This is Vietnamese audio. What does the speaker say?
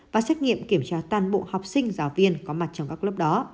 và xét nghiệm kiểm tra toàn bộ học sinh giáo viên có mặt trong các lớp đó